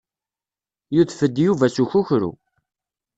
Yudef-d Yuba s ukukru.